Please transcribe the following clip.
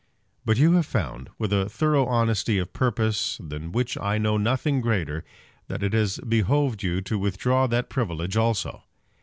But you have found, with a thorough honesty of purpose than which I know nothing greater, that it has behoved you to withdraw that privilege also.